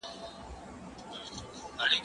کېدای سي مينه پټه وي،